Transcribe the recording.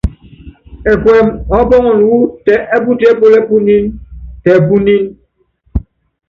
Ɛkuɛmɛ ɔɔ́pɔ́nɔnɔ wú tɛɛ́putíɛ́púlɛ́ púnyíní, tɛpúnyíní.